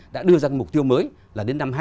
đã đưa ra mục tiêu mới là đến năm hai nghìn hai mươi